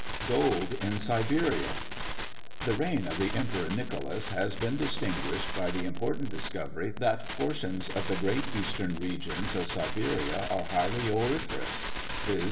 GOLD IN SIBERIA. The reign of the Emperor Nicholas has been distinguished by the important discovery, that portions of the great eastern regions of Siberia are highly auriferous; viz.